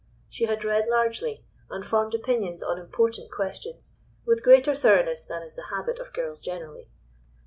She had read largely, and formed opinions on important questions with greater thoroughness than is the habit of girls generally.